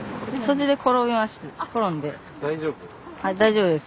大丈夫？